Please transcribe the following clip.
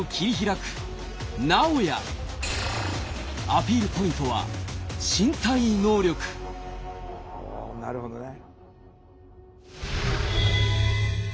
アピールポイントは身体能力おなるほどね。